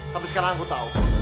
tapi sekarang aku tahu